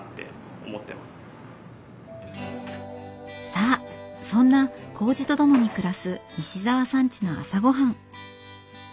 さあそんなこうじと共に暮らす西澤さんちの朝ごはん。